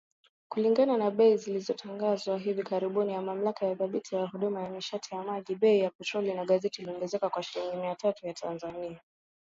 Kulingana na bei zilizotangazwa hivi karibuni na Mamlaka ya Udhibiti wa Huduma za Nishati na Maji, bei ya petroli na dizeli iliongezeka kwa shilingi mia tatu za Tanzania